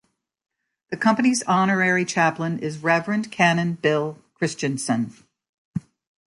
The company's Honorary Chaplain is the Reverend Canon Bill Christianson.